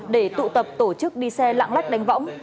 để tụ tập tổ chức đi xe lạng lách đánh võng